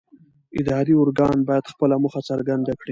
اداري ارګان باید خپله موخه څرګنده کړي.